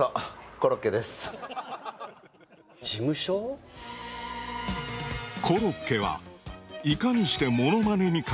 コロッケはいかにしてモノマネに革命を起こしたのか？